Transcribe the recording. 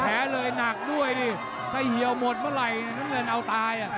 เลยหนักด้วยดิถ้าเหี่ยวหมดเมื่อไหร่น้ำเงินเอาตายอ่ะ